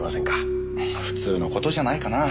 普通の事じゃないかな。